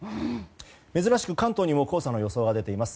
珍しく関東にも黄砂の予想が出ています。